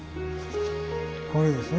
これですね。